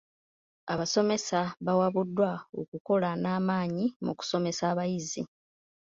Abasomesa bawabuddwa okukola n'amaanyi mu kusomesa abayizi.